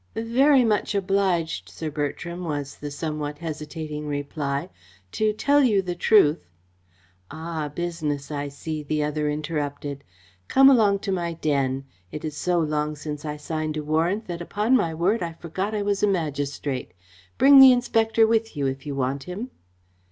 "Very much obliged, Sir Bertram," was the somewhat hesitating reply. "To tell you the truth " "Ah, business, I see," the other interrupted. "Come along to my den. It is so long since I signed a warrant that upon my word I forgot I was a magistrate. Bring the inspector with you, if you want him."